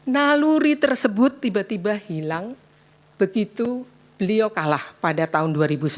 naluri tersebut tiba tiba hilang begitu beliau kalah pada tahun dua ribu sebelas